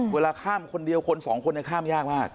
เวลาข้ามคนเดียวสองคนยากมาก